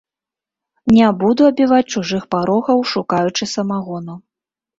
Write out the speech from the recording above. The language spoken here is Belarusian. Не буду абіваць чужых парогаў, шукаючы самагону.